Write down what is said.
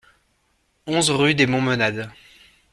onze rue des Montmenades